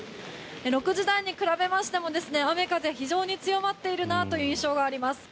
６時台に比べましても雨風非常に強まっているなという印象があります。